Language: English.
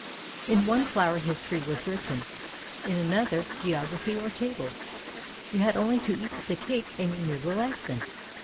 In one flower history was written, in another geography or tables, you had only to eat the cake and you knew the lesson.